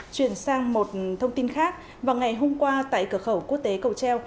chuyển sang một thông tin khác vào ngày hôm qua tại cửa khẩu quốc tế cầu treo